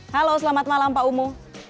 halo selamat malam pak umu